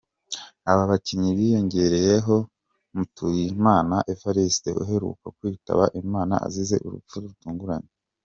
Aba bakinnyi biyongeraho Mutuyimana Evariste uheruka kwitaba Imana azize urupfu rutunguranye.